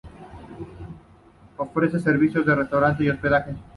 Ofrece servicio de restaurante y hospedaje.